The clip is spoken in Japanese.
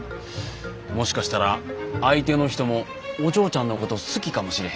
もしかしたら相手の人もお嬢ちゃんのこと好きかもしれへんな。